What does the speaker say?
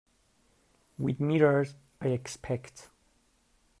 With mirrors, I expect.